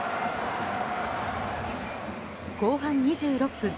後半２６分